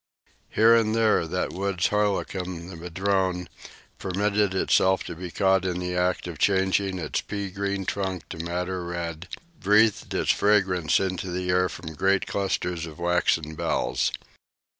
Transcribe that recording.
Here and there that woods harlequin, the madrone, permitting itself to be caught in the act of changing its pea green trunk to madder red, breathed its fragrance into the air from great clusters of waxen bells.